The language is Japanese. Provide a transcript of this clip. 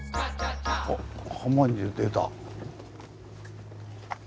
あっ浜に出た。